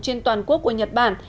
trên toàn quốc của nhật bản